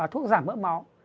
thuốc giảm mỡ máu